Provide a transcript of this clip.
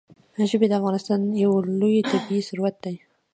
ژبې د افغانستان یو لوی طبعي ثروت دی.